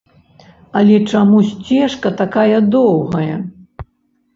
Але чаму сцежка такая доўгая?